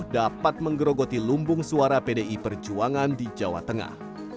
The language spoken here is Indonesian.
dapat menggerogoti lumbung suara pdi perjuangan di jawa tengah